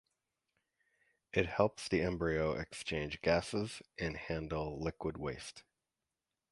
It helps the embryo exchange gases and handle liquid waste.